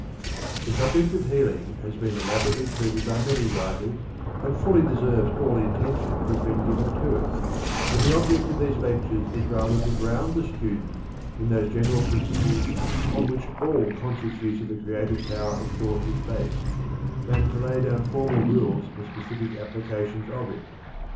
The subject of healing has been elaborately treated by many writers and fully deserves all the attention that has been given to it, but the object of these lectures is rather to ground the student in those general principles on which all conscious use of the creative power of thought is based, than to lay down formal rules for specific applications of it.